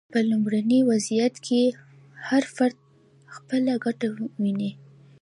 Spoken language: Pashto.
په لومړني وضعیت کې هر فرد خپله ګټه ویني.